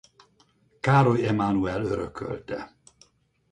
Károly Emánuel örökölte.